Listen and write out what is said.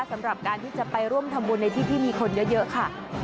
สำหรับการที่จะไปร่วมทำบุญในที่ที่มีคนเยอะค่ะ